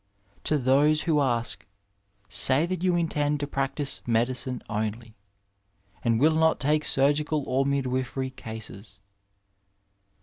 To those who ask, say that you intend to practise medicine only, and wiU not take snrgical or midwifery cases.